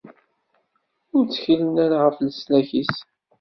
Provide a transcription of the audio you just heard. Ur ttkilen ara ɣef leslak-is.